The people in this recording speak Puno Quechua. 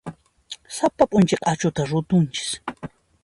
Sapa p'unchay q'achuta rutunchis.